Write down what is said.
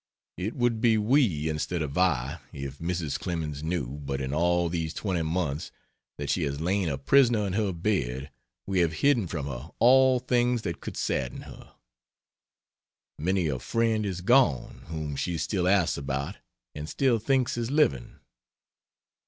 It would be we, instead of I, if Mrs. Clemens knew, but in all these 20 months that she has lain a prisoner in her bed we have hidden from her all things that could sadden her. Many a friend is gone whom she still asks about and still thinks is living.